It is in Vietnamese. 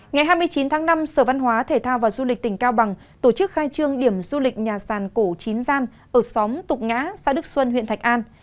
ngày hai mươi chín tháng năm sở văn hóa thể thao và du lịch tỉnh cao bằng tổ chức khai trương điểm du lịch nhà sàn cổ chín gian ở xóm tục ngã xã đức xuân huyện thạch an